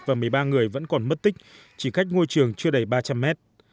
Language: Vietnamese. và một mươi ba người vẫn còn mất tích chỉ cách ngôi trường chưa đầy ba trăm linh mét